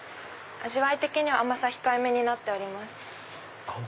味わい的には甘さ控えめになっております。